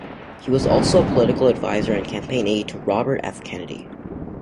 He was also a political adviser and campaign aide to Robert F. Kennedy.